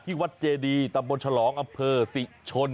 ที่วัดเจดีตำบวชลองอำเคอร์ศิษย์ชน